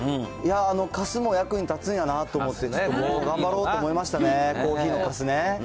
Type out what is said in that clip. いや、かすも役に立つんやなと思って、ちょっと僕も頑張ろうと思いましたね、コーヒーのかすね。